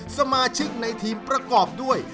สมาชิกในทีมประกอบด้วย